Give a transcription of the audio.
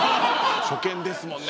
初見ですもんね。